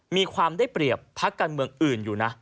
มีความได้เปรียบทหารเรืองอื่น